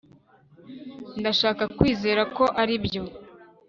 ndashaka kwizera ko aribyo